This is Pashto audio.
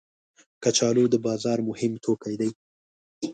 کچالو د بازار مهم توکي دي